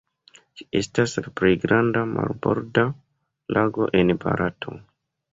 Ĝi estas la plej granda marborda lago en Barato.